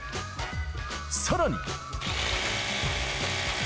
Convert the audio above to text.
さらに。